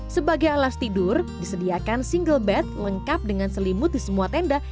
sebagai alas tidur disediakan single bed lengkap dengan selimut di semua tenda